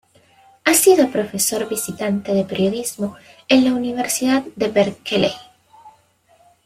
Ha sido profesor visitante de periodismo en la Universidad de Berkeley.